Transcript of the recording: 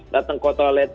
datang ke toilet